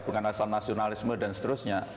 bukan asal nasionalisme dan seterusnya